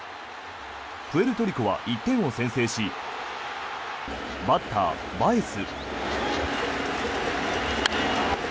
プエルトリコは１点を先制しバッター、バエス。